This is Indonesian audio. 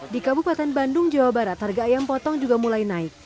di kabupaten bandung jawa barat harga ayam potong juga mulai naik